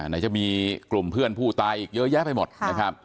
ไหนจะมีกลุ่มเพื่อนผู้ตายอีกเยอะแยะไปหมดนะครับ